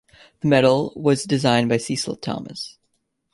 The medal was designed by Cecil Thomas.